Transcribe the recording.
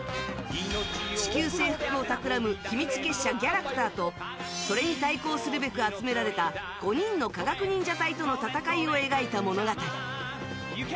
地球制服をたくらむ秘密結社ギャラクターとそれに対抗するべく集められた５人の科学忍者隊との戦いを描いた物語。